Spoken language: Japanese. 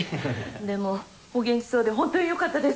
でもお元気そうで本当によかったです。